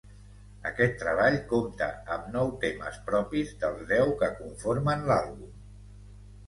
Aquest treball compta amb nou temes propis dels deu que conformen l'àlbum.